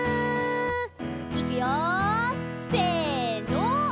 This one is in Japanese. いくよせの。